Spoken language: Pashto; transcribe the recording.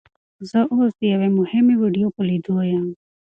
زه اوس د یوې مهمې ویډیو په لیدو یم.